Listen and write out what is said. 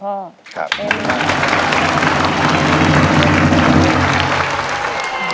ครับขอบคุณครับ